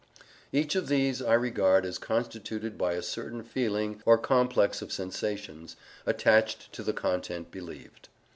Each of these I regard as constituted by a certain feeling or complex of sensations, attached to the content believed.